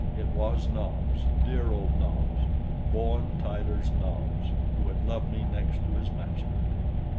It was Nobs, dear old Nobs. Bowen Tyler's Nobs, who had loved me next to his master.